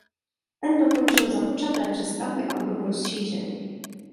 Ten dokončil započaté přestavby a budovu rozšířil.